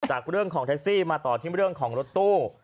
จากเรื่องของแท็กซี่มาต่อที่เรื่องของรถตู้